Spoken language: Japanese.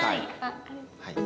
はい！